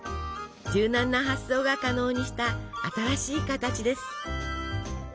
柔軟な発想が可能にした新しい形です。